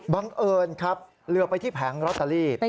บังเอิญครับเหลือไปที่แผงลอตเตอรี่